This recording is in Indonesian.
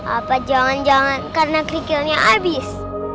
apa jangan jangan karena kerikilnya habis